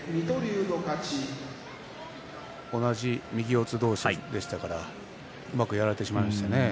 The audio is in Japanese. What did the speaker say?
同じ右四つ同士ですからうまくやられてしまいましたね。